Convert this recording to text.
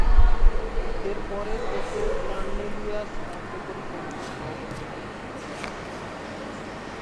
এরপরের বছর কর্নেলিয়াস কার্যকরী কমিটির সভাপতি হন।